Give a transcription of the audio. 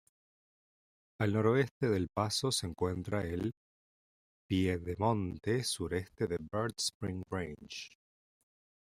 Al noroeste del paso se encuentra el piedemonte sureste de Bird Spring Range.